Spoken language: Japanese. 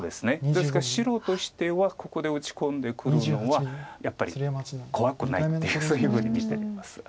ですから白としてはここで打ち込んでくるのはやっぱり怖くないってそういうふうに見ています。